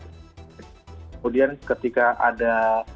kemudian ketika ada